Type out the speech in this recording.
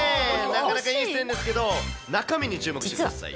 なかなかいい線ですけど、中身に注目してください。